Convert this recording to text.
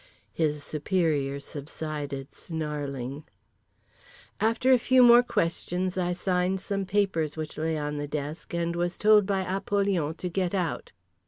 —His superior subsided snarling. After a few more questions I signed some papers which lay on the desk, and was told by Apollyon to get out.